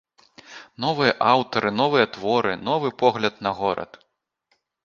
Новыя аўтары, новыя творы, новы погляд на горад!